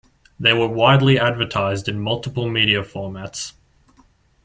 They were widely advertised in multiple media formats.